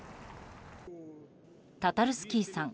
タタルスキーさん